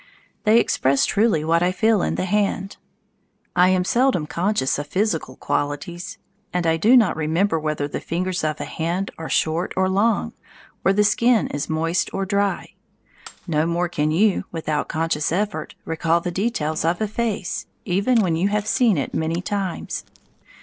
They express truly what I feel in the hand. I am seldom conscious of physical qualities, and I do not remember whether the fingers of a hand are short or long, or the skin is moist or dry. No more can you, without conscious effort, recall the details of a face, even when you have seen it many times.